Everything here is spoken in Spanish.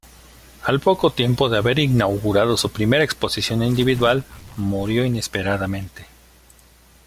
Al poco tiempo de haber inaugurado su primera exposición individual, murió inesperadamente.